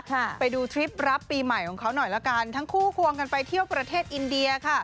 ไปดูทริปรับปีใหม่ของเขาหน่อยละกันทั้งคู่ควงกันไปเที่ยวประเทศอินเดียค่ะ